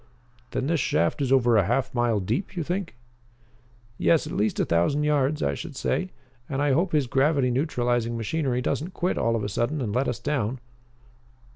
"Then this shaft is over a half mile deep, you think?" "Yes, at least a thousand yards, I should say. And I hope his gravity neutralizing machinery doesn't quit all of a sudden and let us down."